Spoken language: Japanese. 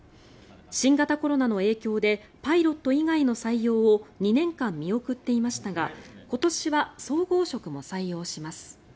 新型コロナの影響でパイロット以外の採用を２年間、見送っていましたが今年は総合職も採用します。